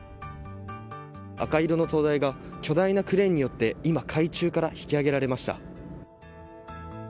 赤色の灯台が巨大なクレーンによって海中から引き上げられました。